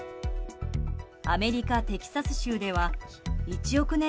アメリカ・テキサス州では１億年